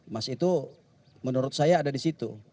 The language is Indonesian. mas itu menurut saya ada di situ